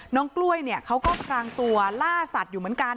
กล้วยเนี่ยเขาก็พรางตัวล่าสัตว์อยู่เหมือนกัน